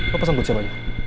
lo pesan buat siapa